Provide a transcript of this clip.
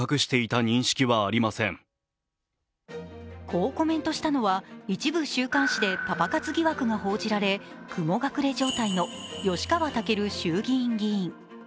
こうコメントしたのは一部週刊誌でパパ活疑惑が報じられ雲隠れ状態の吉川赳衆議院議員。